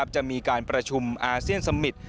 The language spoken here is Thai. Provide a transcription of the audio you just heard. จะมีการประชุมอาเซียนสมิตร